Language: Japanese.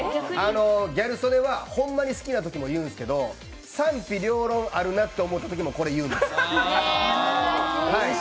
ギャル曽根はほんまに好きなときも言うんですけど、賛否両論あるなってときもこれ言うんです。